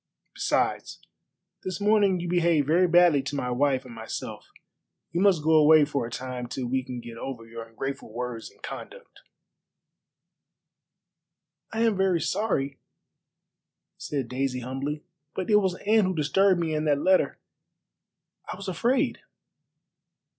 Besides, this morning you behaved very badly to my wife and myself. You must go away for a time till we can get over your ungrateful words and conduct." "I am very sorry," said Daisy humbly, "but it was Anne who disturbed me, and that letter. I was afraid."